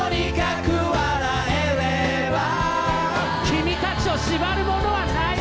君たちを縛るものはない！